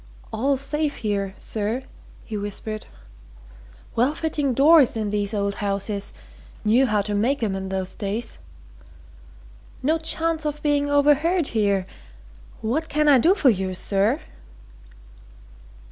"All safe, here, sir!" he whispered. "Well fitting doors in these old houses knew how to make 'em in those days. No chance of being overheard here what can I do for you, sir?"